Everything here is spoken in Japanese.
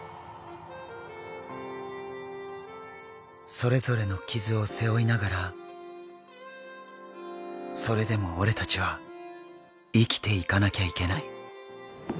それぞれの傷を背負いながらそれでも俺達は生きていかなきゃいけない